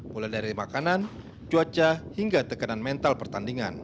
mulai dari makanan cuaca hingga tekanan mental pertandingan